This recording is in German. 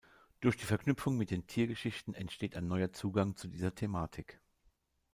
Durch die Verknüpfung mit den Tiergeschichten entsteht ein neuer Zugang zu dieser Thematik.